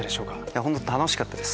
本当楽しかったです。